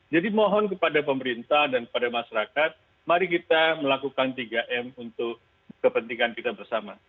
jadi mohon kepada pemerintah dan kepada masyarakat mari kita melakukan tiga m untuk kepentingan kita bersama